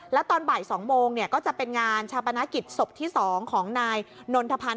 แล้วตอนบ่าย๒โมงก็จะเป็นงานชาปนกิจศพที่๒ของนายนนทพันธ์